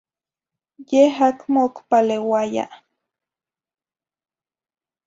Yeh acmo ocpaleuaya.